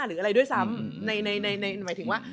หมายถึงว่า